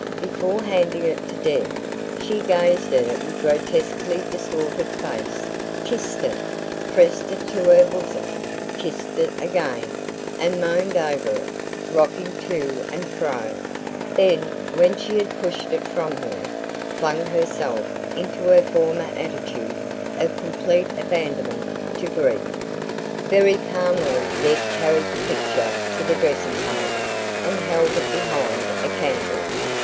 Before handing it to Deb, she gazed at it with grotesquely distorted face, kissed it, pressed it to her bosom, kissed it again, and moaned over it, rocking to and fro; then, when she had pushed it from her, flung herself into her former attitude of complete abandonment to grief. Very calmly Deb carried the picture to the dressing table, and held it behind a candle.